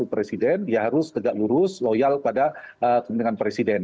presiden ya harus tegak lurus loyal pada kepentingan presiden